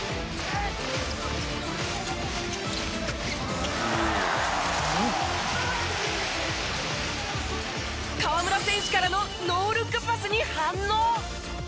「うん」河村選手からのノールックパスに反応。